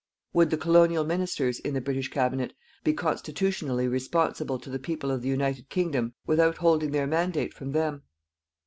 Would the colonial ministers in the British Cabinet be constitutionally responsible to the people of the United Kingdom without holding their mandate from them?